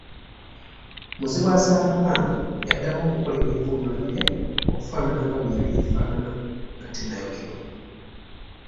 Muzibwazaalampanga yaddamu okukolebwa envuunulabibya okufaanana nga bwe yali efaanana nga tennayokebwa.